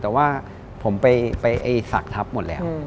แต่ว่าผมไปศักดิ์ทัพหมดแล้ว